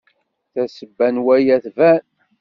Tasebba n waya tban.